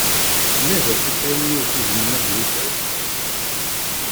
Tella daki kra n yiwet i izemren ad yi-tɛawen?